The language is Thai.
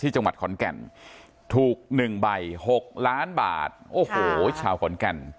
จังหวัดขอนแก่นถูก๑ใบ๖ล้านบาทโอ้โหชาวขอนแก่น